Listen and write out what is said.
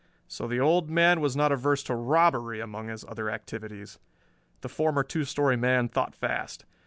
So the old man was not averse to robbery among his other activities! The former two story man thought fast.